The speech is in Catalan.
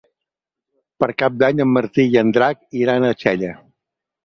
Per Cap d'Any en Martí i en Drac iran a Xella.